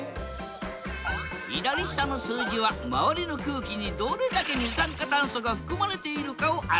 左下の数字は周りの空気にどれだけ二酸化炭素が含まれているかを表している。